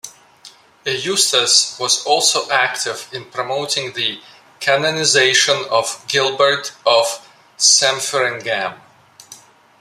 Eustace was also active in promoting the canonization of Gilbert of Sempringham.